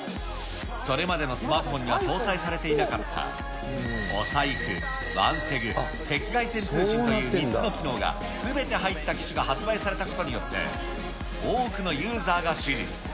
それまでのスマートフォンには搭載されていなかったお財布、ワンセグ、赤外線通信という３つの機能がすべて入った機種が発売されたことによって、多くのユーザーが支持。